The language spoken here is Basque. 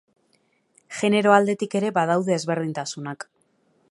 Genero aldetik ere badaude ezberdintasunak.